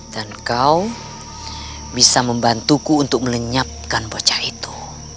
dan kau bisa membantuku untuk melenyapkan bocah itu